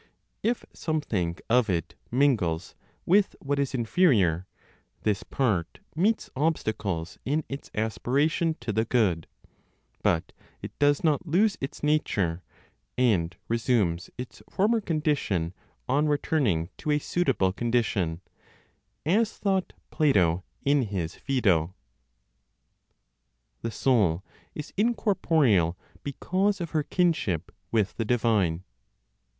If something of it mingles with what is inferior, this part meets obstacles in its aspiration to the good; but it does not lose its nature, and resumes its former condition on returning to a suitable condition (as thought Plato, in his Phaedo). THE SOUL IS INCORPOREAL BECAUSE OF HER KINSHIP WITH THE DIVINE.